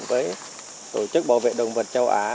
với tổ chức bảo vệ động vật châu á